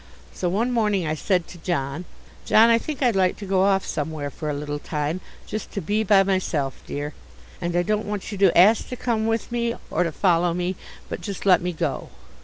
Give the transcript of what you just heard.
So one morning I said to John, "John, I think I'd like to go off somewhere for a little time, just to be by myself, dear, and I don't want you to ask to come with me or to follow me, but just let me go."